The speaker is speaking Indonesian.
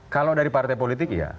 kalau dari partai politik iya